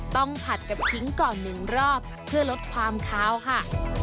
ผัดกับทิ้งก่อน๑รอบเพื่อลดความขาวค่ะ